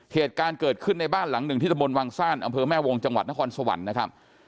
เหตุการณ์เกิดขึ้นในบ้านหลังหนึ่งที่ตะบนวังซ่านอำเภอแม่วงจังหวัดนครสวรรค์นะครับ